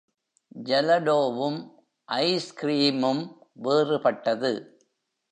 ஜெலடோவும் ஐஸ்கிரீமும் வேறுபட்டது.